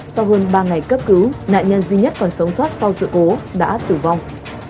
sau hơn ba ngày cấp cứu nạn nhân duy nhất còn sống sót sau sự cố đã tử vong